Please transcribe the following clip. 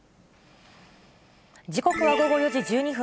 時刻は午後４時１２分。